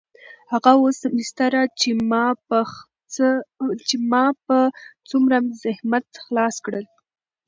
هغه اووه سمستره چې ما په څومره زحمت خلاص کړل.